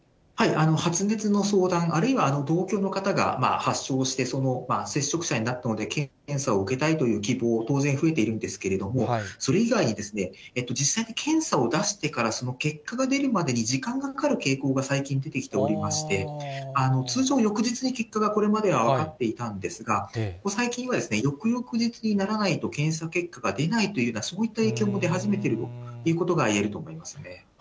発熱の相談、あるいは同居の方が発症して、その接触者になったので検査を受けたいという希望、当然増えているんですけれども、それ以外に、実際に検査を出してからその結果が出るまでに時間がかかる傾向が最近出てきておりまして、通常、翌日に結果がこれまでは分かっていたんですが、ここ最近は翌々日にならないと、検査結果が出ないというような、そういった影響も出始めているということがいえると思いますね。